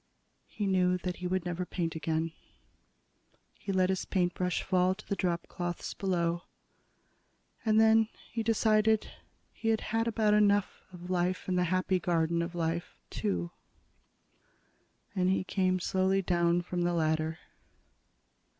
He knew that he would never paint again. He let his paintbrush fall to the dropcloths below. And then he decided he had had about enough of life in the Happy Garden of Life, too, and he came slowly down from the ladder.